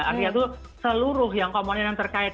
artinya itu seluruh yang komponen yang terkait